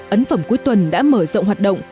ấn phẩm cuối tuần đã mở rộng hoạt động